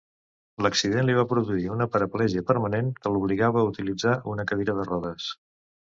L'accident li va produir una paraplegia permanent que l’obligava a utilitzar una cadira de rodes.